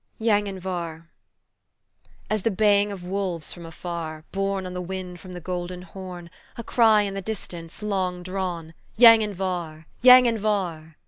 YANGHIN VAR* AS the baying of wolves from afar, Borne on the wind from the Golden Horn A cry in the distance, long drawn, "Yanghin var! yanghin var!"